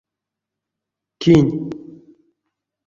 Кинь?